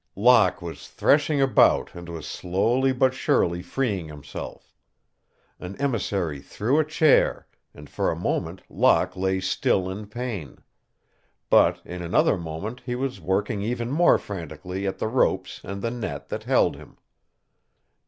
Locke was threshing about and was slowly but surely freeing himself. An emissary threw a chair, and for a moment Locke lay still in pain. But in another moment he was working even more frantically at the ropes and the net that held him.